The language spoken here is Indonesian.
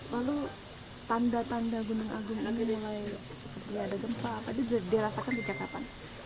lalu tanda tanda gunung agung ini mulai setia ada gempa apa itu dirasakan di jakarta